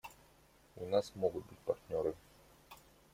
У нас могут быть партнеры.